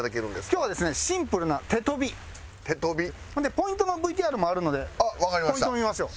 ポイントのＶＴＲもあるのでポイントを見ましょう。